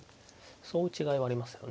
そういう違いはありますけどね。